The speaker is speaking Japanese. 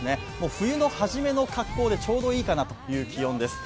冬の初めの格好でちょうどいいかなという感じです。